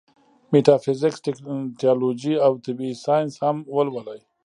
ميټافزکس ، تيالوجي او طبعي سائنس هم ولولي